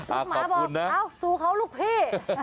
หมาบอกเอ้าสู้เขาลูกพี่